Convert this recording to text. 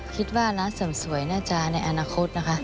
คิดว่าร้านเสริมสวยน่าจะในอนาคตนะคะ